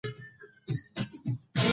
دفاع وزارت سرحدي امنیت نه کمزوری کوي.